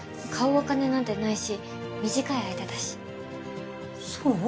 お金なんてないし短い間だしそう？